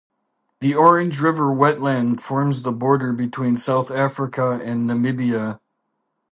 The Orange River wetland forms the border between South Africa and Namibia.